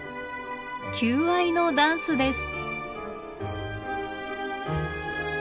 求愛のダンスです。